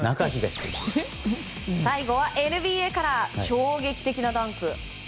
最後はＮＢＡから衝撃的なダンク。